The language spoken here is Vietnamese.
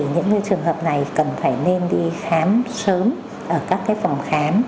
những trường hợp này cần phải nên đi khám sớm ở các phòng khám